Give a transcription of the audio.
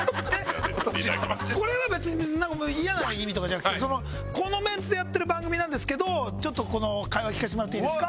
これは別に嫌な意味とかじゃなくてこのメンツでやってる番組なんですけどここの会話聞かせてもらっていいですか？